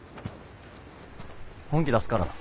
本気出すからな。